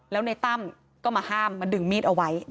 แล้วในตั้มก็มาห้ามมาดึงมีดเอาไว้